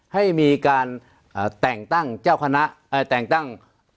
ให้มีการแต่งตั้งเจ้าคณะแต่งตั้ง